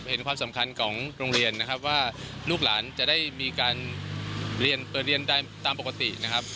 เห็นความสำคัญของโรงเรียนนะครับว่าลูกหลานจะได้มีการเรียนเปิดเรียนได้ตามปกตินะครับ